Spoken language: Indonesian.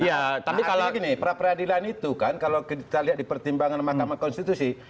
artinya gini prapradino itu kan kalau kita lihat di pertimbangan mahkamah konstitusi